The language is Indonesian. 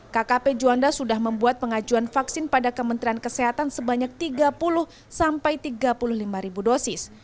kkp juanda sudah membuat pengajuan vaksin pada kementerian kesehatan sebanyak tiga puluh sampai tiga puluh lima ribu dosis